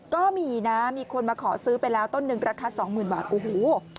ก็มีนะมีคนมาขอซื้อไปแล้วต้นหนึ่งราคาสองหมื่นบาทโอ้โห